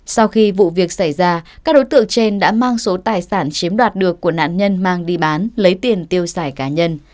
sau khi vụ việc xảy ra các đối tượng trên đã mang số tài sản chiếm đoạt được của nạn nhân mang đi bán lấy tiền tiêu xài cá nhân